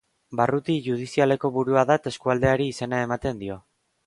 Barruti judizialeko burua da eta eskualdeari izena ematen dio.